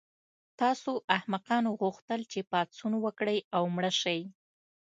تاسو احمقانو غوښتل چې پاڅون وکړئ او مړه شئ